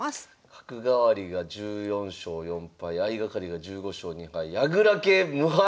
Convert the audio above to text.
角換わりが１４勝４敗相掛かりが１５勝２敗矢倉系無敗！